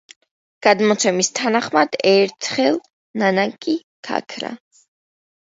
გადმოცემის თანახმად, ერთხელ ნანაკი გაქრა.